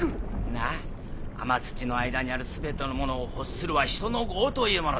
なっ天地の間にある全てのものを欲するは人の業というものだ。